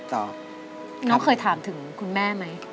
น้องเคยถามถึงคุณแม่ไหม